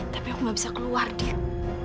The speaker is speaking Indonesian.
tapi aku nggak bisa keluar dit